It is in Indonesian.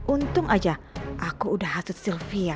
untung aja aku udah hasud sylvia